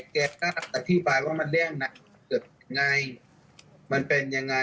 แกก็อธิบายว่ามันเรื่องหนักเกิดไงมันเป็นยังไง